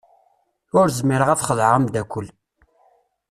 Ur zmireɣ ad xedɛeɣ ameddakel.